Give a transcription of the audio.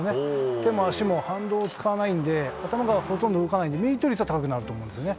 手も足も反動を使わないんで、頭がほとんど動かないんで、ミート率は高いんですよね。